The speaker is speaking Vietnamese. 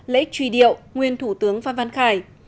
lễ truy điệu nguyên thủ tướng văn văn khải